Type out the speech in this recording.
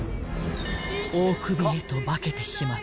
［大首へと化けてしまった］